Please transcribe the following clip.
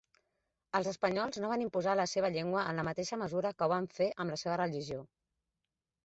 Els espanyols no van imposar la seva llengua en la mateixa mesura que ho van fer amb la seva religió.